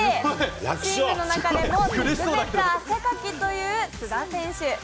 チームの中でも特別汗かきという須田選手。